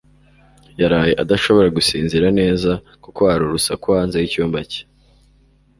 yaraye adashobora gusinzira neza kuko hari urusaku hanze yicyumba cye.